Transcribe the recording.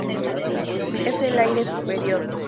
Es el aire superior.